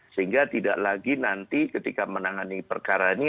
sehingga tidak lagi nanti ketika menangani perkara ini